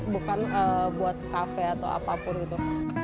bukan buat kafe atau apapun gitu